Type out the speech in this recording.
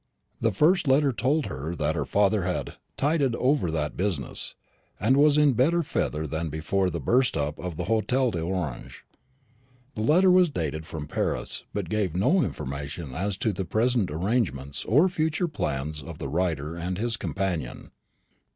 The first letter told her that her father had "tided over that business, and was in better feather than before the burst up at the Hôtel d'Orange." The letter was dated from Paris, but gave no information as to the present arrangements or future plans of the writer and his companion.